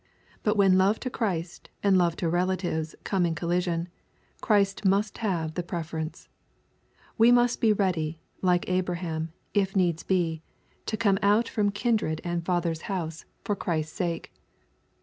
But when love to Christ and love to relatives come in collision, Christ must have the preference. We must be ready, like Abraham, if needs be, to come out from kindred and father's house for 842 EXPOSITORY THOUGHTS. Christ's sake.